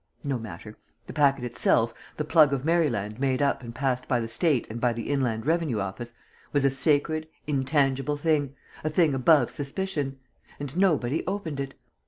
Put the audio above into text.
No matter! The packet itself, the plug of Maryland made up and passed by the State and by the Inland Revenue Office, was a sacred, intangible thing, a thing above suspicion! And nobody opened it.